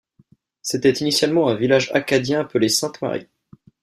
C'était initialement un village acadien appelé Sainte-Marie.